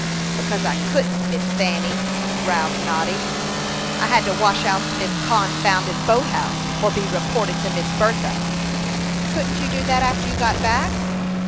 "Because I couldn't, Miss Fanny," growled Noddy. "I had to wash out this confounded boat house, or be reported to Miss Bertha." "Couldn't you do that after you got back?"